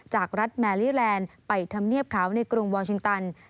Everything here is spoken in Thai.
จากรัฐแมลี่แลนด์ไปทำเนียบขาวในกรุงวอลชิงตัน